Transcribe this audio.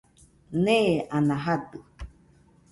Nee, ana jadɨ